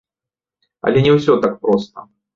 Але не ўсё так проста.